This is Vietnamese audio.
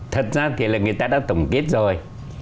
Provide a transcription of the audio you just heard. thật ra thì người ta đã tổng kết rồi